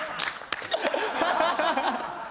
ハハハハ！